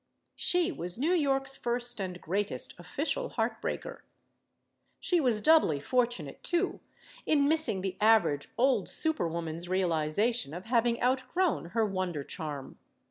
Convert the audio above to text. She was New York's first and greatest official heart breaker. She was doubly fortunate, too, in missing the average old super woman's realization of having outgrown her wonder charm.